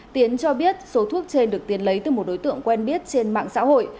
tiến cho biết số thuốc trên được tiến lấy từ một đối tượng quen biết trên mạng xã hội